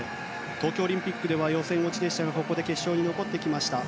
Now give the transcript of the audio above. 東京オリンピックでは予選落ちでしたがここで決勝に残ってきました。